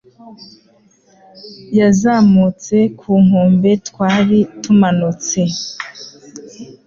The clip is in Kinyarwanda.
yazamutse ku nkombe twari tumanutse